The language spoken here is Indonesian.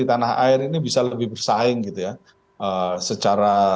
tanah air ini bisa lebih bersaing gitu ya